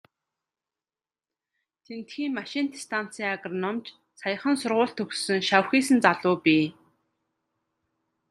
Тэндхийн машинт станцын агрономич, саяхан сургууль төгссөн шавхийсэн залуу бий.